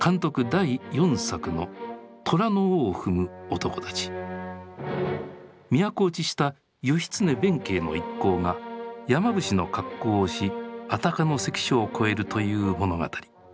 第４作の都落ちした義経弁慶の一行が山伏の格好をし安宅の関所を越えるという物語。